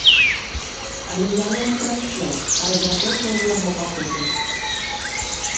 Але яно не прайшло, а разраслося ў яго пакуты.